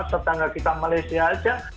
tetangga kita malaysia saja